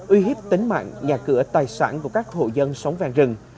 uy hiếp tính mạng nhà cửa tài sản của các hộ dân sống ven rừng